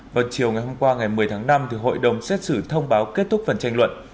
vào chiều ngày hôm qua ngày một mươi tháng năm hội đồng xét xử thông báo kết thúc phần tranh luận